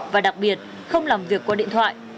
và đặc biệt không làm việc qua điện thoại